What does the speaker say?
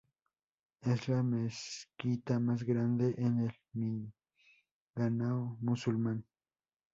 Es la mezquita más grande en el Mindanao Musulmán.